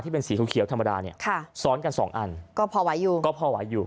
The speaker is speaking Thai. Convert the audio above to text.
ที่เป็นสีเขาเขียวธรรมดาเนี่ยค่ะซ้อนกันสองอันก็พอไหวอยู่